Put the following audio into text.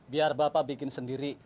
biar bapak bikin sendiri